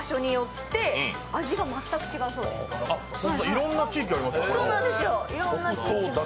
いろんな地域ありますね。